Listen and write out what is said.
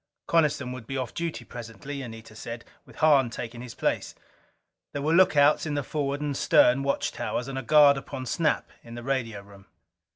Coniston would be off duty presently, Anita said, with Hahn taking his place. There were lookouts in the forward and stern watch towers, and a guard upon Snap in the radio room.